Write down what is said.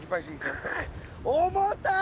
重たい！